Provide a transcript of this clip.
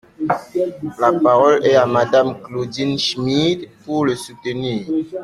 La parole est à Madame Claudine Schmid, pour le soutenir.